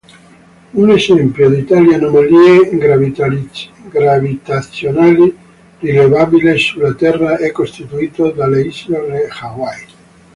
Un esempio di tali anomalie gravitazionali rilevabile sulla Terra è costituito dalle isole Hawaii.